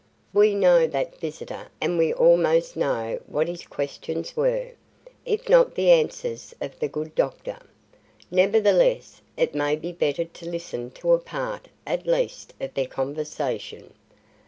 We know that visitor and we almost know what his questions were, if not the answers of the good doctor. Nevertheless, it may be better to listen to a part at least of their conversation.